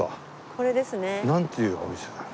これですね。なんていうお店だ？